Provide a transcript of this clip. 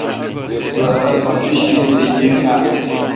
زارا توسی شیتھ یاین اؘ۔